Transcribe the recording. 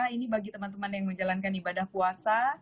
ini bagi teman teman yang menjalankan ibadah puasa